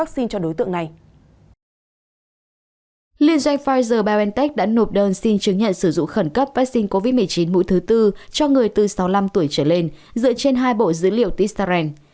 xin chứng nhận sử dụng khẩn cấp vaccine covid một mươi chín mũi thứ tư cho người từ sáu mươi năm tuổi trở lên dựa trên hai bộ dữ liệu t steren